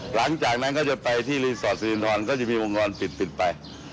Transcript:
หลังจากนั้นก็จะไปที่รีสอร์ทศิรินทรก็จะมีวงจรปิดปิดไป